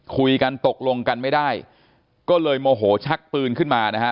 คุยกันตกลงกันไม่ได้ก็เลยโมโหชักปืนขึ้นมานะฮะ